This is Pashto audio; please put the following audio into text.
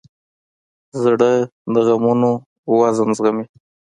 زړه د غمونو وزن زغمي.